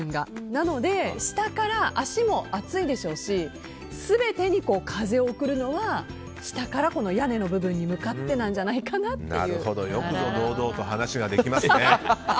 なので、下から足も暑いでしょうし全てに風を送るのは下から屋根の部分に向かってなんじゃないかなと。